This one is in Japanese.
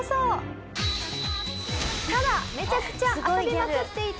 ただめちゃくちゃ遊びまくっていた